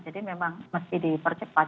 jadi memang mesti di percepat